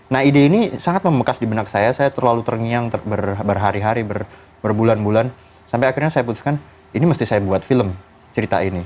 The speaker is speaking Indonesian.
nah ide ini sangat membekas di benak saya saya terlalu terngiang berhari hari berbulan bulan sampai akhirnya saya putuskan ini mesti saya buat film cerita ini